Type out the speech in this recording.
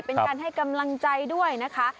เป็นการให้กำลังใจด้วยนะคะ